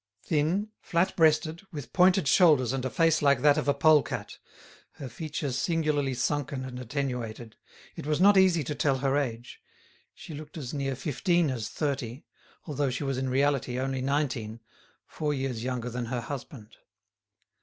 Thin, flat breasted, with pointed shoulders and a face like that of a pole cat, her features singularly sunken and attenuated, it was not easy to tell her age; she looked as near fifteen as thirty, although she was in reality only nineteen, four years younger than her husband.